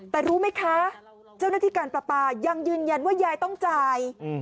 แต่รู้ไหมคะเจ้าหน้าที่การปลาปลายังยืนยันว่ายายต้องจ่าย